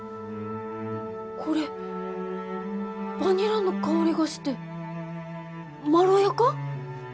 これバニラの香りがしてまろやか？